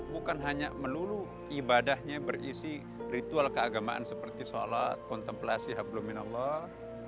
bukan hanya melulu ibadahnya berisi ritual keagamaan seperti sholat kontemplasi habluminallah